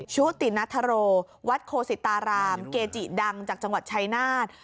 ชุตินัทโรวัดโคสิตารามเกจิดังจากจังหวัดชายนาฏ